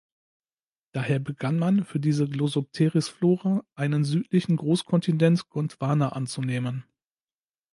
Daher begann man für diese Glossopteris-Flora einen südlichen Großkontinent Gondwana anzunehmen.